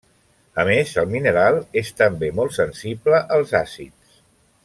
A més, el mineral és també molt sensible als àcids.